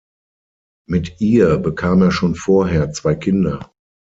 Mit ihr bekam er schon vorher zwei Kinder.